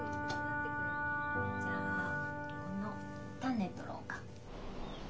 じゃあこの種取ろうか。